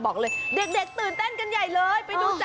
บอกเลยเด็กตื่นเต้นกันใหญ่เลยไปดูจ้